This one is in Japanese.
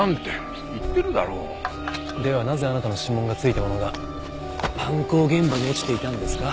ではなぜあなたの指紋が付いたものが犯行現場に落ちていたんですか？